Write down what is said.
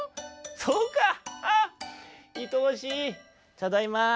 「ただいま」。